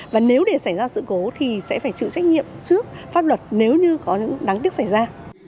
và nếu để xảy ra sự cố thì sẽ phải chịu trách nhiệm trước pháp luật nếu như có những đáng tiếc xảy ra